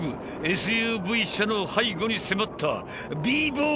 ＳＵＶ車の背後に迫ったビーボー！